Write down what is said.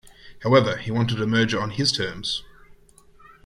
However, he wanted a merger on his terms.